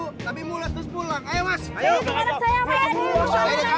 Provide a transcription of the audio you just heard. suka jaka mau kayak patreon masblick n trayiviajuno masing masing